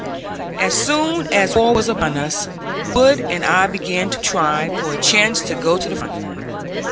As soon as war was upon us, Wood and I began to try for a chance to go to the front.